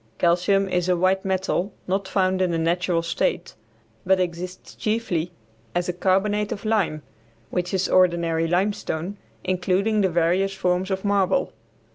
Calcium is a white metal not found in the natural state, but exists chiefly as a carbonate of lime, which is ordinary limestone, including the various forms of marble.